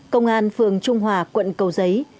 công an phường trung hòa quận cầu giấy